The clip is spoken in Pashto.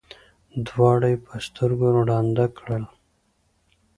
دواړه یې په سترګو ړانده کړل.